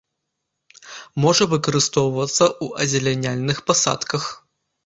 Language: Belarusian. Можа выкарыстоўвацца ў азеляняльных пасадках.